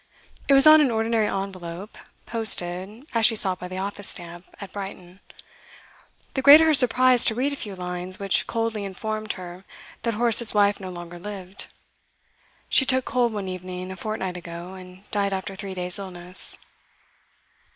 It was on an ordinary envelope, posted, as she saw by the office stamp, at Brighton; the greater her surprise to read a few lines which coldly informed her that Horace's wife no longer lived. 'She took cold one evening a fortnight ago, and died after three days' illness.